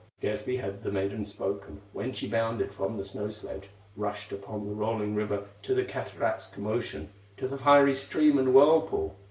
Scarcely had the maiden spoken, When she bounded from the snow sledge, Rushed upon the rolling river, To the cataract's commotion, To the fiery stream and whirlpool.